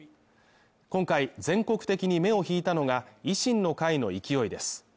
今回、全国的に目を引いたのが維新の会の勢いです。